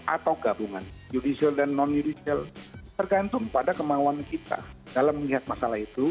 atau gabungan judicial dan non judicial tergantung pada kemauan kita dalam melihat masalah itu